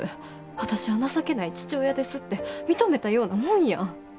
私は情けない父親ですって認めたようなもんやん。